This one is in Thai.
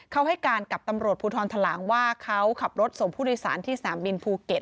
เขาให้การกับตำรวจภูทรทะลางว่าเขาขับรถส่งผู้โดยสารที่สนามบินภูเก็ต